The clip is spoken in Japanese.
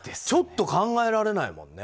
ちょっと考えられない。